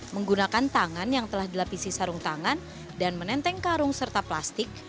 menggunakan tangan yang telah dilapisi sarung tangan dan menenteng karung serta plastik